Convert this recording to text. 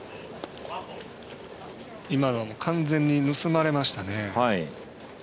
今の完全に盗まれましたね。